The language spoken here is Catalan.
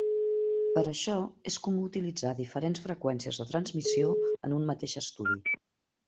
Per això, és comú utilitzar diferents freqüències de transmissió en un mateix estudi.